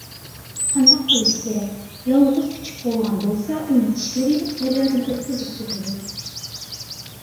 قانداق قىلىش كېرەك؟ يالغۇز كۈچۈك بولغان بولسا ئۇنى چىشلىۋېلىپ دەريادىن ئۆتكۈزۈپ كېتىدۇ.